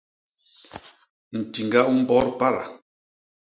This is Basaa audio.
Ntiñga u mbot pada.